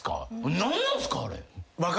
何なんすか？